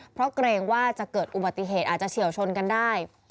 เพราะเกรงว่าจะเกิดอุบัติเหตุอาจจะเฉียวชนกันได้